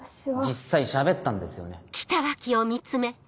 実際喋ったんですよね？